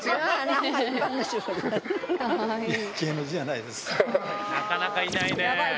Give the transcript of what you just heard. なかなかいないねぇ。